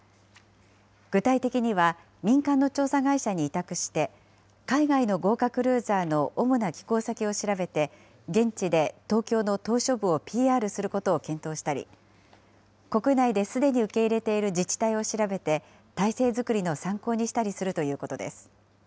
具体的には、民間の調査会社に委託して、海外の豪華クルーザーの主な寄港先を調べて、現地で東京の島しょ部をＰＲすることを検討したり、国内ですでに受け入れている自治体を調べて、体制作りの参考にしたりするということです。